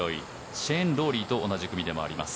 シェーン・ロウリーと同じ組で回っていきます。